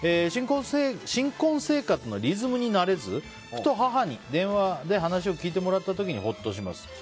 新婚生活のリズムに慣れずふと母に電話で話を聞いてもらった時にほっとします。